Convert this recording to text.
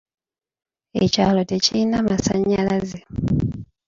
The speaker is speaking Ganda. Ekyalo tekirina masannyalaze.